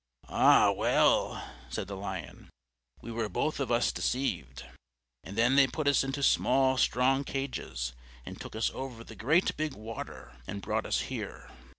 "Ah, well," said the Lion. "We were both of us deceived. And then they put us into small, strong cages and took us over the great big water and brought us here.